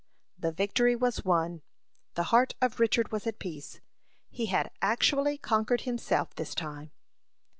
The victory was won; the heart of Richard was at peace; he had actually conquered himself this time.